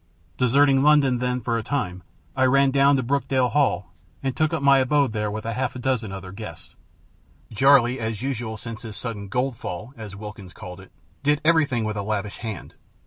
Deserting London, then, for a time, I ran down to Brokedale Hall, and took up my abode there with a half dozen other guests. Jarley, as usual since his sudden "gold fall," as Wilkins called it, did everything with a lavish hand.